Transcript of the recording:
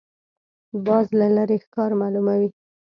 باز له لرې ښکار معلوموي